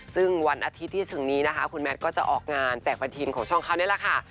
ซึ่งวันอาทิตย์ที่ถึงนี้นะคะคุณแมทก็จะออกงานแจกประทีนของช่องเขานี่แหละค่ะ